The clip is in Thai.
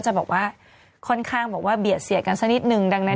จะบอกว่าค่อนข้างบอกว่าเบียดเสียดกันสักนิดนึงดังนั้น